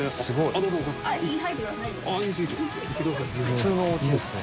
普通のおうちですね。